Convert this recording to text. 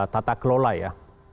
tata kelola ya